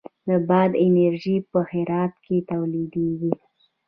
د باد انرژي په هرات کې تولیدیږي